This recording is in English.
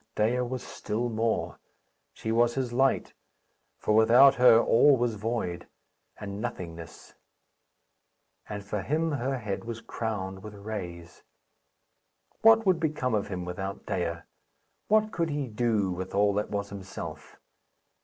Dea was still more she was his light, for without her all was void, and nothingness; and for him her head was crowned with rays. What would become of him without Dea? What could he do with all that was himself?